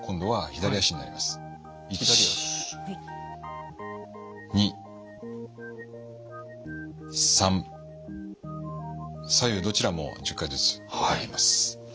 左右どちらも１０回ずつ行います。